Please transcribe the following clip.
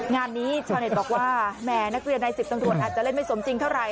งานนี้ชาวเน็ตบอกว่าแหมนักเรียนใน๑๐ตำรวจอาจจะเล่นไม่สมจริงเท่าไห